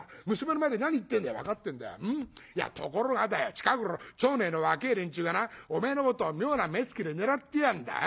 近頃町内の若え連中がなおめえのことを妙な目つきで狙ってやがんだ。